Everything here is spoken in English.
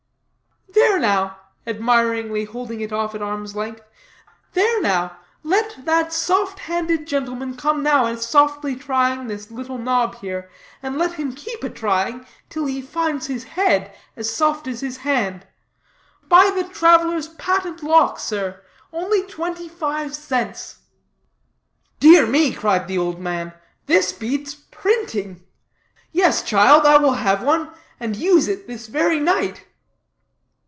"There now," admiringly holding it off at arm's length, "there now, let that soft handed gentleman come now a' softly trying this little knob here, and let him keep a' trying till he finds his head as soft as his hand. Buy the traveler's patent lock, sir, only twenty five cents." "Dear me," cried the old man, "this beats printing. Yes, child, I will have one, and use it this very night."